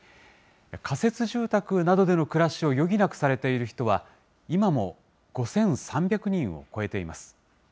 仮設住宅などでの暮らしを余儀なくされている人は、今も５３００人を超えています。